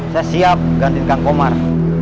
saya siap gantikan komar